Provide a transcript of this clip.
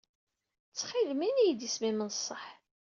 Ttxil-m ini-yid isem-im n ṣṣeḥ.